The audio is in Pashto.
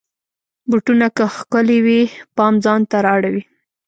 بوټونه که ښکلې وي، پام ځان ته را اړوي.